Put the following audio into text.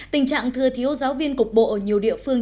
tình trạng thừa thiếu giáo viên cục bộ ở nhiều địa phương